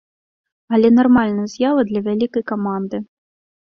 Але нармальная з'ява для вялікай каманды.